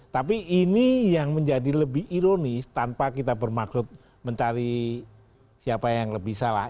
tapi ini yang menjadi lebih ironis tanpa kita bermaksud mencari siapa yang lebih salah